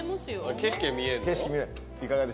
景色が見えんの？